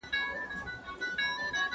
ښوونکي د ستونزو یادونه کوي.